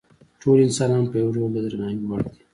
ټول انسانان په یو ډول د درناوي وړ دي.